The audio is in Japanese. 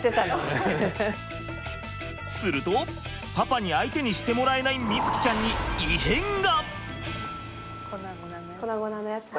するとパパに相手にしてもらえない瑞己ちゃんに異変が。